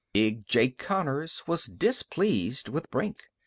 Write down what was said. Big Jake Connors was displeased with Brink.